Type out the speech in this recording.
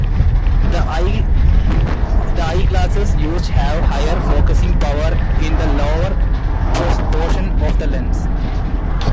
The eyeglasses used have higher focussing power in the lower portion of the lens.